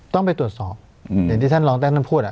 ต้องไปตรวจสอบเหมือนที่ท่านรแต่ท่านพูด